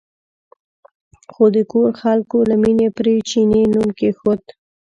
خو د کور خلکو له مینې پرې چیني نوم کېښود.